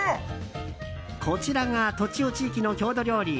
こちらが栃尾地域の郷土料理